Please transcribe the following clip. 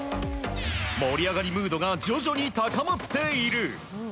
盛り上がりムードが徐々に高まっている。